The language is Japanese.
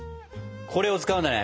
これを使うんだね。